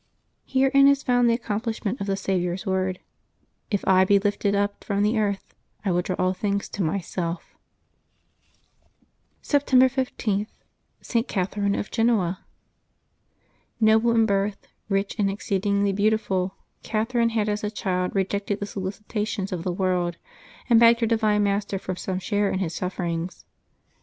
— Herein is found the accomplishment of the Saviour's word :" If I be lifted up from the earth, I will draw all things to Myself." Skptbmbeb 16] LIVES OF THE SAINTS 315 September 15. ST. CATHERINE OF GENOA. QOBLE in birth, ricli, and exceedingly beautiful, Cath erine had as a child rejected the solicitations of the world, and begged her divine Master for some share in His sufferings.